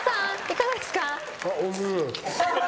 いかがですか？